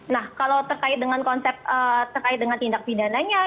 nah kalau terkait dengan konsep terkait dengan tindak pidananya